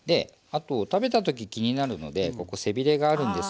あと食べた時気になるのでここ背びれがあるんですけど。